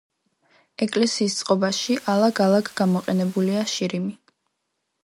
ეკლესიის წყობაში ალაგ-ალაგ გამოყენებულია შირიმი.